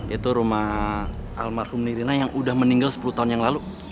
itu rumah almarhum nirina yang udah meninggal sepuluh tahun yang lalu